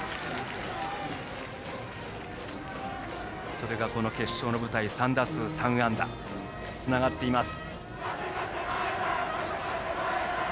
それがこの決勝の舞台３打数３安打とつながっています。